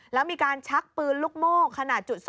แล้วมีการชักปืนลูกโม่ขนาด๒